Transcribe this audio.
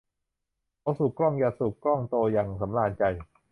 เขาสูบกล้องยาสูบกล้องโตอย่างสำราญใจ